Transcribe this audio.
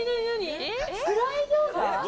フライ餃子？